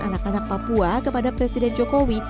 anak anak papua kepada presiden jokowi